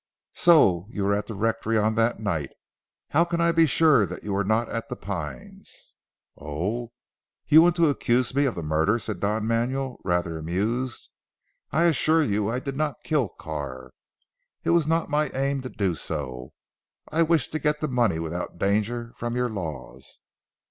"So you were at the rectory on that night? How can I be sure that you were not at 'The Pines?'" "Oh! You want to accuse me of the murder!" said Don Manuel rather amused. "I assure you I did not kill Carr. It was not my aim to do so. I wished to get the money without danger from your laws.